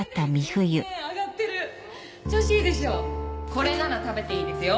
これなら食べていいですよ